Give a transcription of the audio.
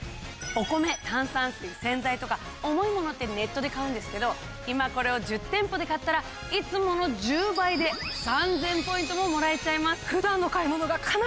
お米炭酸水洗剤とか重いものってネットで買うんですけど今これを１０店舗で買ったらいつもの１０倍で３，０００ポイントももらえちゃいます。